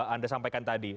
anda sampaikan tadi